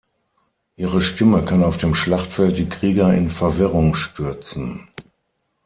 Ihre Stimme kann auf dem Schlachtfeld die Krieger in Verwirrung stürzen.